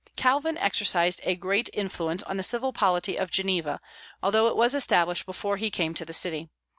Calvin exercised a great influence on the civil polity of Geneva, although it was established before he came to the city.